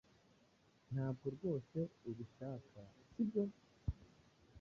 Ntabwo rwose ubishaka, sibyo?